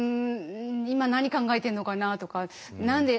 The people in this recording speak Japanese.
今何考えてるのかなとか何で。